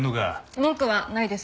文句はないです。